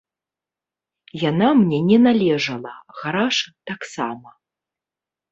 Яна мне не належала, гараж таксама.